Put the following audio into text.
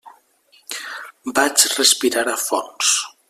Vaig respirar a fons.